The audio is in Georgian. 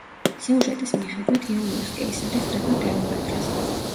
სიუჟეტის მიხედვით, იულიუს კეისარი ხვდება კლეოპატრას.